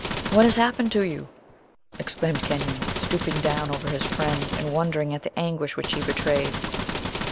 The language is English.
"What has happened to you?" exclaimed Kenyon, stooping down over his friend, and wondering at the anguish which he betrayed.